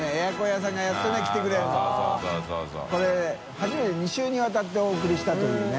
初めて２週に渡ってお送りしたというね。